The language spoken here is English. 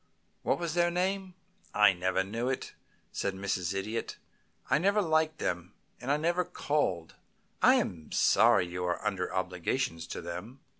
What was their name?" "I never knew," said Mrs. Idiot. "I never liked them, and I never called. I am sorry you are under obligations to them."